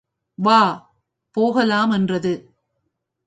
வா, போகலாம் என்றது.